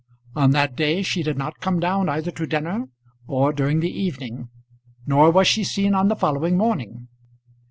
On that day she did not come down either to dinner or during the evening; nor was she seen on the following morning.